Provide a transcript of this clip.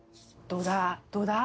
どうだ？